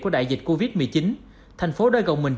của đại dịch covid một mươi chín thành phố đã gồng mình